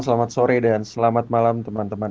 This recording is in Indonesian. selamat sore dan selamat malam teman teman